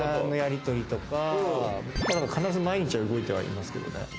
必ず毎日は動いてはいますけどね。